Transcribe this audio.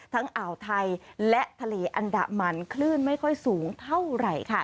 อ่าวไทยและทะเลอันดามันคลื่นไม่ค่อยสูงเท่าไหร่ค่ะ